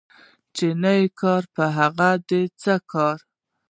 چي نه کار په هغه دي څه کار